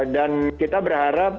dan kita berharap